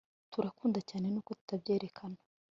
turakunda cyane nuko tutabyerekana